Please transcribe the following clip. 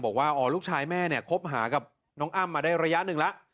บอกว่าอ๋อลูกชายแม่เนี่ยคบหากับน้องอ้ำมาได้ระยะหนึ่งแล้ว